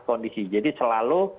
kondisi jadi selalu